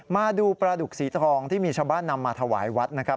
มาดูปลาดุกสีทองที่มีชาวบ้านนำมาถวายวัดนะครับ